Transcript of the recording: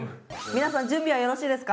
皆さん準備はよろしいですか？